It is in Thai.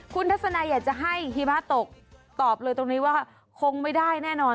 คุณทัศนายอยากจะให้หิมะตกตอบเลยตรงนี้ว่าคงไม่ได้แน่นอน